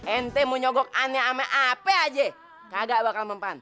ente mau nyobok aneh aneh apa aja kagak bakal mempan